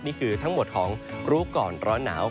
นี่คือทั้งหมดของรู้ก่อนร้อนหนาว